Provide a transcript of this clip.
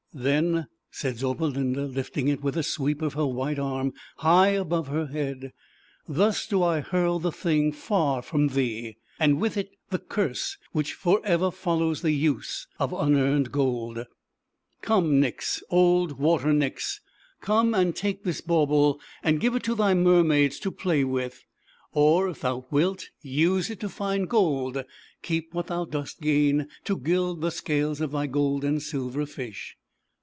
" Then," said Zauberlinda, lifting it with a sweep of her white arm, high above her head, "Thus do I hurl the thing far from thee, and with it the curse which forever fol lows the use of Unearned Gold. Come, Nix, old Water Nix, come and take this bauble and give it to thy mermaids to play wither or^if thou wiltluse it to find m 236 ZAUBERLINDA, THE WISE WITCH. gold, keep what thou dost gain to gild the scales of thy gold and silver fish."